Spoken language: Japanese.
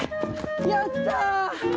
やった！